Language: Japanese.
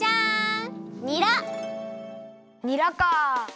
にらか。